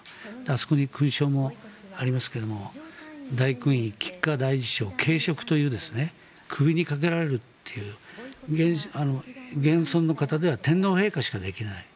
あそこに勲章もありますけど大勲位菊花大綬章頸飾という首にかけられるという現存の方では天皇陛下しかできない。